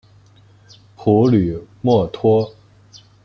普吕默托。